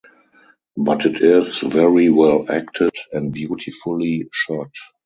But it is very well acted and beautifully shot.